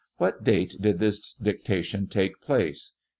What date did this dictation take place